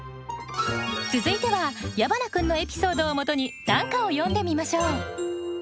続いては矢花君のエピソードをもとに短歌を詠んでみましょう。